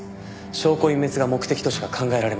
証拠隠滅が目的としか考えられません。